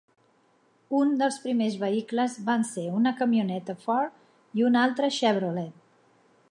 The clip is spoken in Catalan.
Uns dels primers vehicles van ser una camioneta Ford i una altra Chevrolet.